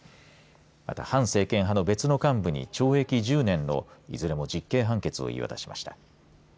また反政権派の別の幹部に懲役１０年のいずれも実刑判決を言い渡しました。